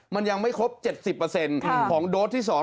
มันยังไม่ครบ๗๐ของโดสที่๒